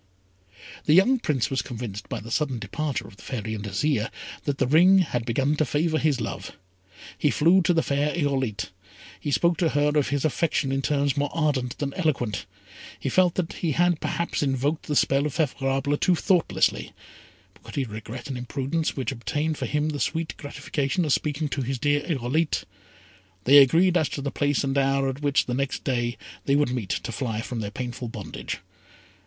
The young Prince was convinced by the sudden departure of the Fairy and Azire, that the ring had begun to favour his love. He flew to the fair Irolite. He spoke to her of his affection in terms more ardent than eloquent. He felt that he had perhaps invoked the spell of Favourable too thoughtlessly; but could he regret an imprudence which obtained for him the sweet gratification of speaking to his dear Irolite? They agreed as to the place and hour at which, the next day, they would meet, to fly from their painful bondage.